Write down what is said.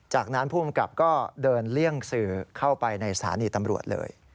จากนั้นผู้กำกับก็เดินเลี่ยงสื่อเข้าไปในสถานีตำรวจเลย